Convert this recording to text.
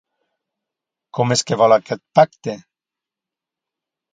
Com és que vol aquest pacte?